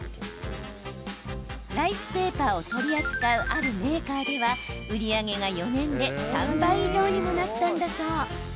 ライスペーパーを取り扱うあるメーカーでは売り上げが４年で３倍以上にもなったんだそう。